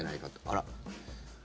あら？